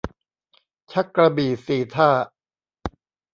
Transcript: ชักกระบี่สี่ท่า